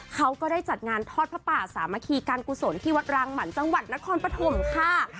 เขาก็ได้จัดงานทอดพระป่าสามัคคีการกุศลที่วัดรางหมันจังหวัดนครปฐมค่ะ